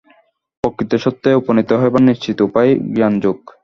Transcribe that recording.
প্রকৃত সত্যে উপনীত হইবার নিশ্চিত উপায় জ্ঞানযোগ।